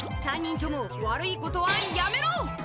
３人とも悪いことはやめろ！